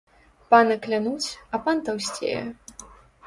Пана клянуць, а пан таўсцее